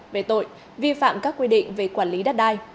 về tội vi phạm các quy định về quản lý đất đai